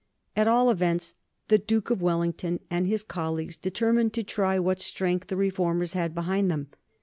At all events, the Duke of Wellington and his colleagues determined to try what strength the reformers had behind them.